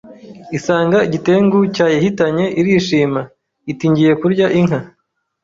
isanga igitengu cyayihitanye irishima, iti Ngiye kurya inka